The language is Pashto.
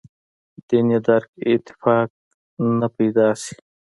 دیني درک اتفاق نه پیدا شي.